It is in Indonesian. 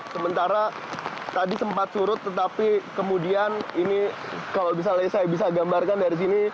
sementara tadi sempat surut tetapi kemudian ini kalau misalnya saya bisa gambarkan dari sini